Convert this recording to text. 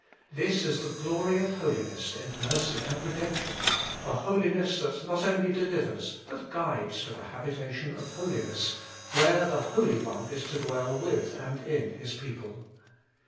This is the glory of Holiness in mercy and redemp tion a Holiness that not only delivers but guides to the habitation of holiness, where the Holy One is to dwell with and in His people.